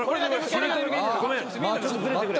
ごめんちょっとずれてくれ。